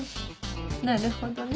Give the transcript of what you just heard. なるほどね。